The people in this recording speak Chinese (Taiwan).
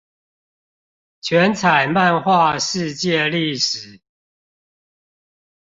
全彩漫畫世界歷史